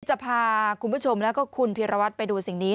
จะพาคุณผู้ชมแล้วก็คุณพีรวัตรไปดูสิ่งนี้